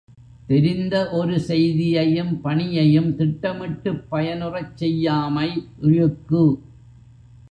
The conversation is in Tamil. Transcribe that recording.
தெரிந்த ஒரு செய்தியையும் பணியையும் திட்டமிட்டுப் பயனுறச் செய்யாமை இழுக்கு.